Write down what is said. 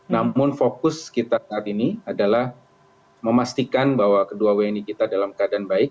namun fokus kita saat ini adalah memastikan bahwa kedua wni kita dalam keadaan baik